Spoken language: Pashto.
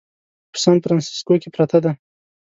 په سان فرانسیسکو کې پرته ده.